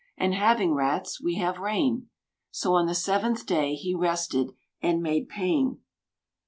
And having rats, we have rain. — So on the seventh day He rested, and made Pain.